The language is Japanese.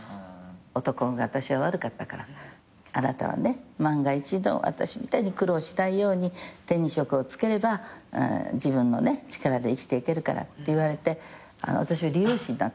「男運が私は悪かったからあなたは万が一の私みたいに苦労しないように手に職をつければ自分の力で生きていけるから」って言われて私は理容師になったんですよ。